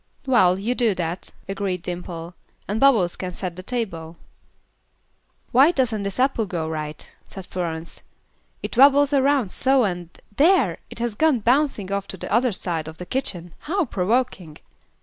"Well, you do that," agreed Dimple. "And Bubbles can set the table." "Why doesn't this apple go right?" said Florence. "It wabbles around so and there! it has gone bouncing off to the other side of the kitchen; how provoking!"